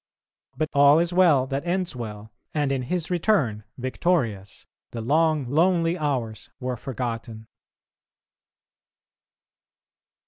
But all is well that ends well, and in his return, victorious, the long lonely hours were forgotten.